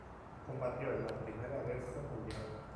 Combatió en la Primera Guerra Mundial.